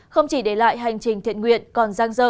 không chỉ để lại hành trình thiện nguyện